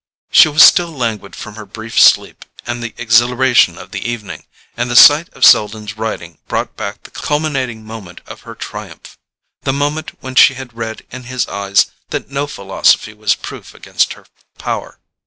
She was still languid from her brief sleep and the exhilaration of the evening, and the sight of Selden's writing brought back the culminating moment of her triumph: the moment when she had read in his eyes that no philosophy was proof against her power.